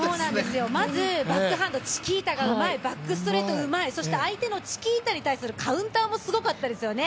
まずバックハンド、チキータがうまい、バックハンドうまいそして相手のチキータに対するカウンターもすごかったですよね。